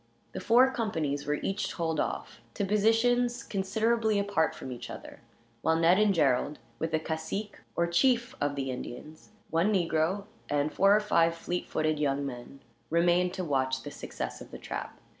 The four companies were each told off, to positions considerably apart from each other; while Ned and Gerald, with the cacique, or chief, of the Indians, one negro, and four or five fleet footed young men, remained to watch the success of the trap.